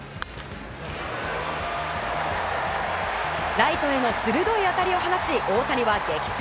ライトへの鋭い当たりを放ち大谷は激走。